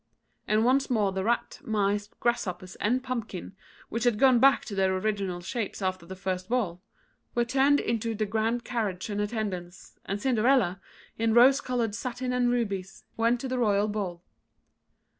And once more the rat, mice, grasshoppers, and pumpkin (which had gone back to their original shapes after the first ball) were turned into the grand carriage and attendants, and Cinderella, in rose coloured satin and rubies, went to the royal ball.